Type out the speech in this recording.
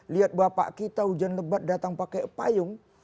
lihat bapak kita hujan lebat datang pakai payung